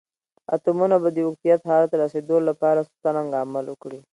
اتومونه به د اوکتیت حالت ته رسیدول لپاره څرنګه عمل وکړي؟